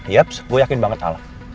yup gue yakin banget al